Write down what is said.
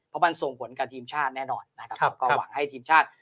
เพราะมันส่งผลกับทีมชาติแน่นอนนะครับเราก็หวังให้ทีมชาติ